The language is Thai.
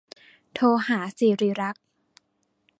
โทรหาศิริลักษณ์